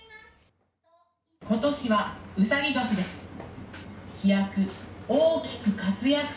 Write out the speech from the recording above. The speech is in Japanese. ことしは、うさぎ年です。